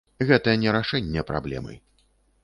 Гэта не рашэнне праблемы.